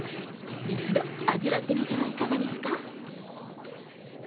一度味わってみてはいかがですか？